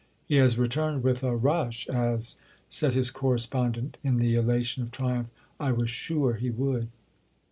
He has returned with a rush—as," said his correspondent in the elation of triumph, "I was sure he would!"